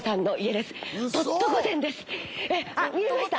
あっ見えました！